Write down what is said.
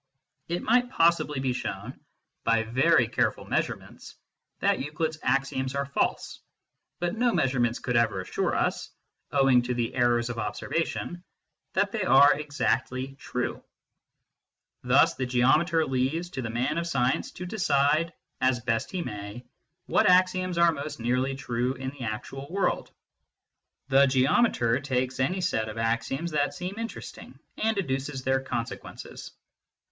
It might pos MATHEMATICS AND METAPHYSICIANS 93 sibly be shown, by very careful measurements, that Euclid s axioms are false ; but no measurements could ever assure us (owing to the errors of observation) that they are exactly true. Thus the geometer leaves to the man of science to decide, as best he may, what axioms are most nearly true in the actual world. The geometer takes any set of axioms that seem interesting, and deduces their consequences.